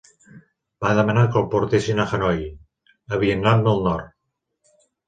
Va demanar que el portessin a Hanoi, a Vietnam del Nord.